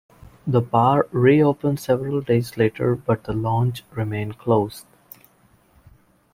The bar reopened several days later but the lounge remains closed.